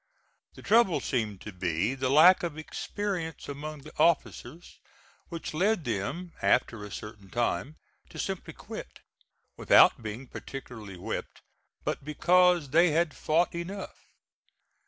The trouble seemed to be the lack of experience among the officers, which led them after a certain time to simply quit, without being particularly whipped, but because they had fought enough.